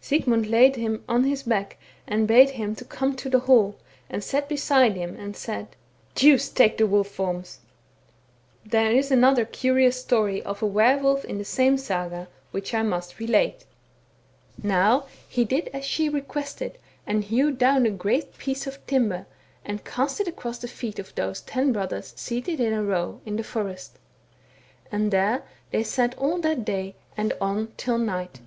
Sigmund laid him on his back and bare him home to the hall, and sat beside him, and said, * Deuce take the wolf forms !'"— Vol sunga Saga, c. 8. There is another curious story of a were wolf in the same Saga, which I must relate. 2—2 20 THE BOOK OF WERE WOLVES. " Now he did as she requested, and hewed down a great piece of timber, and cast it across the feet of those ten brothers seated in a row, in the forest ; and there they sat all that day and on till night.